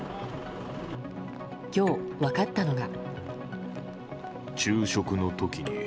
今日分かったのが。